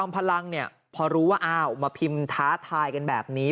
พอรู้ว่าอ้าวมาพิมพ์ท้าทายแบบนี้